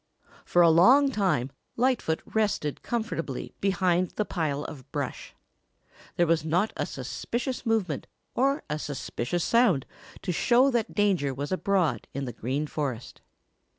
For a long time Lightfoot rested comfortably behind the pile of brush. There was not a suspicious movement or a suspicious sound to show that danger was abroad in the Green Forest.